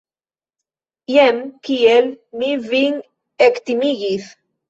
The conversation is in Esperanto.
Jen kiel mi vin ektimigis!